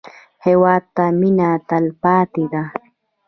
هېواد ته مېنه تلپاتې ده